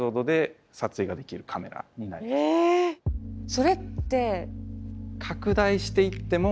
それって？